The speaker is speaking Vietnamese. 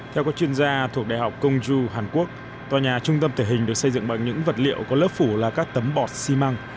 theo các chuyên gia thuộc đại học công du hàn quốc tòa nhà trung tâm thể hình được xây dựng bằng những vật liệu có lớp phủ là các tấm bọt xi măng